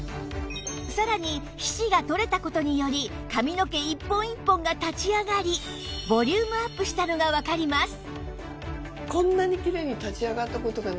さらに皮脂が取れた事により髪の毛一本一本が立ち上がりボリュームアップしたのがわかります